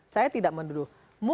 saya tidak menuduh